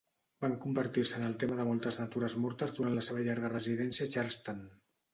Van convertir-se en el tema de moltes natures mortes durant la seva llarga residència a Charleston.